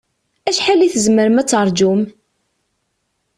Acḥal i tzemrem ad taṛǧum?